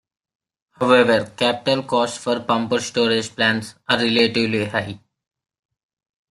However, capital costs for pumped-storage plants are relatively high.